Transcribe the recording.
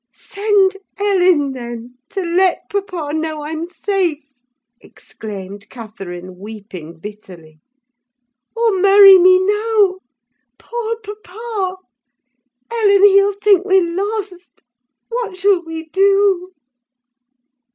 "Send Ellen, then, to let papa know I'm safe!" exclaimed Catherine, weeping bitterly. "Or marry me now. Poor papa! Ellen, he'll think we're lost. What shall we do?"